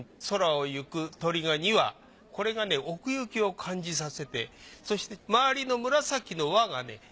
空を行く鳥が２羽これがね奥行きを感じさせてそして周りの紫の輪がね